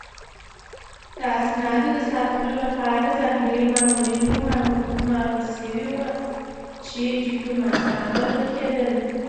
د اسنادو د ساتلو لپاره ځانګړي مامورین ګمارل شوي وو چې ډیپلوماتان بلل کېدل